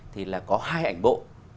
thì là có hai ảnh bộ